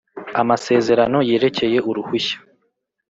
amasezerano yerekeye uruhushya